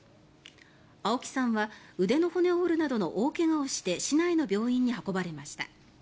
青木さんは腕の骨を折るなどの大怪我をして市内の病院に運ばれました。